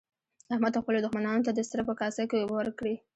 احمد خپلو دوښمنانو ته د سره په کاسه کې اوبه ورکړې.